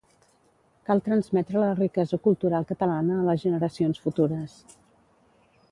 Cal transmetre la riquesa cultural catalana a les generacions futures.